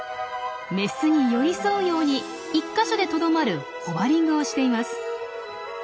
メスに寄り添うように１か所でとどまるホバリングをしています。